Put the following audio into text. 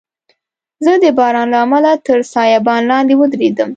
زه د باران له امله تر سایبان لاندي ودریدم.